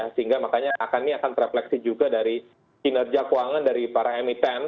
sehingga makanya ini akan terefleksi juga dari kinerja keuangan dari para emiten